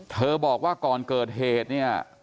บอกว่าก่อนเกิดเหตุเนี่ย